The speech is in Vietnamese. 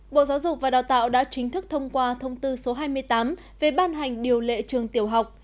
bộ giáo dục và đào tạo đã chính thức thông qua thông tư số hai mươi tám về ban hành điều lệ trường tiểu học